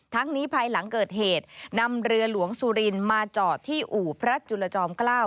ทั้งนี้ภายหลังเกิดเหตุนำเรือหลวงสุรินมาจอดที่อู่พระจุลจอมเกล้า